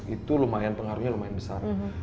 itu lumayan pengaruhnya lumayan besar